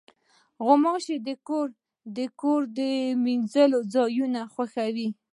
غوماشې د کور د وینځلو ځایونه خوښوي.